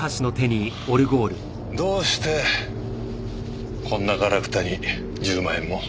どうしてこんなガラクタに１０万円も？